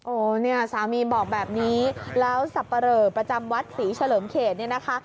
เนี่ยสามีบอกแบบนี้แล้วสับปะเหลอประจำวัดศรีเฉลิมเขตเนี่ยนะคะ